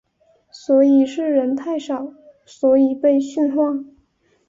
所以是人太少所以被训话？